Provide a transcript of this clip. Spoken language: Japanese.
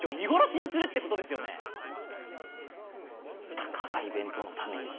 たかがイベントのために。